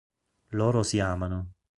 Loro si amano.